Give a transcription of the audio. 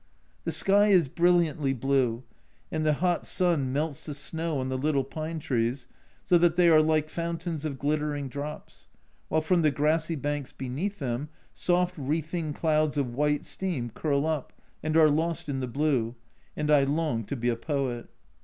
The sky is brilliantly blue, and the hot sun melts the snow on the little pine trees, so that they are like fountains of glittering drops, while from the grassy banks beneath them soft wreathing clouds of white steam curl up and are lost in the blue, and I long to be a poet.